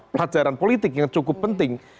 pelajaran politik yang cukup penting